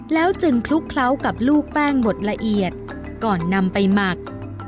แล้วจึงคลุกเคล้ากับลูกแป้งหมดละเอียดก่อนนำไปหมัก